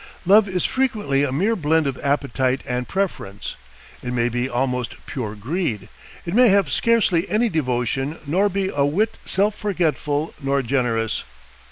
Love is frequently a mere blend of appetite and preference; it may be almost pure greed; it may have scarcely any devotion nor be a whit self forgetful nor generous.